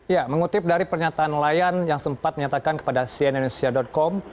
ya mengutip dari pernyataan layan yang sempat menyatakan kepada cnn indonesia com